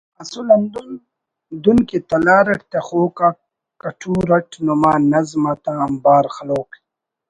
اسُل ہندن دن کہ ”تلار“ اٹ تخوک آ کٹور اٹ نما نظم آتا امبار خلوک